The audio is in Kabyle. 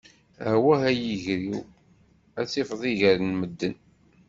Awah a yiger-iw, ad tifeḍ iger n medden!